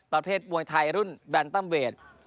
ประเภทมวยไทยรุ่นแบนตัมเวท